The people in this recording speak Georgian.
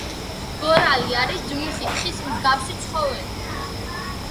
გორალი არის ჯმუხი, თხის მსგავსი ცხოველი.